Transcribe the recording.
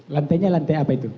lantainya lantai apa itu